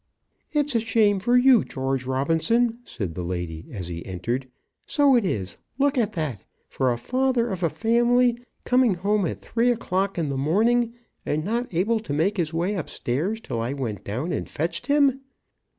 "It's a shame for you, George Robinson," said the lady, as he entered, "so it is. Look at that, for a father of a family, coming home at three o'clock in the morning, and not able to make his way upstairs till I went down and fetched him!"